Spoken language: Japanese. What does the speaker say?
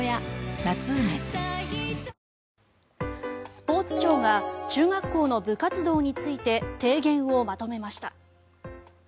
スポーツ庁が中学校の部活動について提言をまとめました。